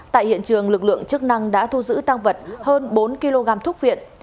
tại hiện trường lực lượng chức năng đã thu giữ tăng vật hơn bốn kg thuốc viện